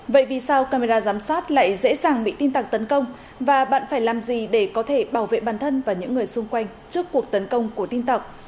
vậy vì sao camera giám sát lại dễ dàng bị tin tặc tấn công và bạn phải làm gì để có thể bảo vệ bản thân và những người xung quanh trước cuộc tấn công của tin tặc